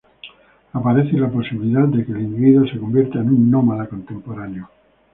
Aparece la posibilidad de que el individuo se convierta en un nómada contemporáneo.